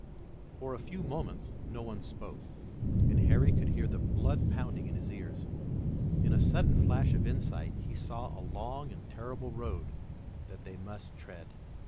For a few moments no one spoke, and Harry could hear the blood pounding in his ears. In a sudden flash of insight he saw a long and terrible road that they must tread.